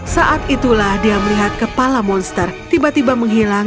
saat itulah dia melihat kepala monster tiba tiba menghilang